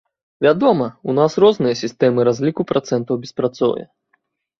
Вядома, у нас розныя сістэмы разліку працэнтаў беспрацоўя.